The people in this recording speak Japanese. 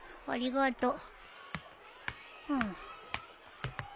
ありがとう。